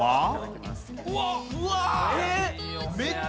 うわっ！